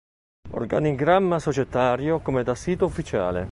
Organigramma societario come da sito ufficiale.